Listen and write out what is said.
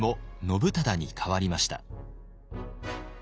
「信忠」に変わりました。